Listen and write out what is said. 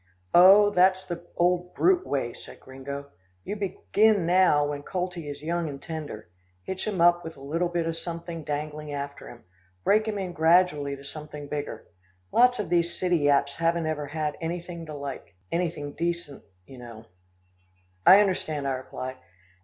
"Oh, that's the old brute way," said Gringo. "You begin now when coltie is young and tender. Hitch him up with a little bit of something dangling after him. Break him in gradually to something bigger. Lots of these city yaps haven't ever had anything to like anything decent, you know." "I understand," I replied.